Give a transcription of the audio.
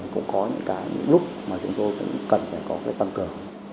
cũng có những lúc mà chúng tôi cần có tăng cường